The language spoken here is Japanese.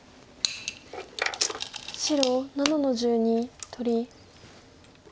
白７の十二取り。